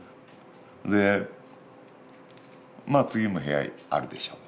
でまあ「次も部屋あるでしょう」と。